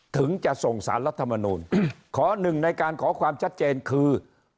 ถึงจะส่งสารรัฐมนูลขอหนึ่งในการขอความชัดเจนคือ